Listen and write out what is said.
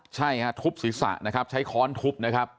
ใช่ฮะทุบศีรษะนะครับใช้ค้อนทุบนะครับ